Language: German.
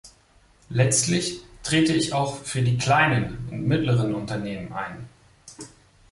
Letztlich trete ich auch für die kleinen und mittleren Unternehmen ein.